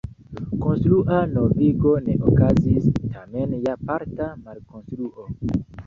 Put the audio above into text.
Konstrua novigo ne okazis, tamen ja parta malkonstruo.